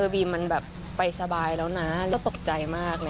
บีมมันไปสบายแล้วนะก็ตกใจมาก